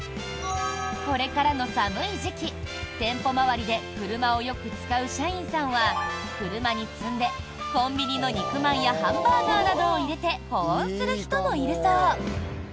これからの寒い時期、店舗回りで車をよく使う社員さんは車に積んでコンビニの肉まんやハンバーガーなどを入れて保温する人もいるそう。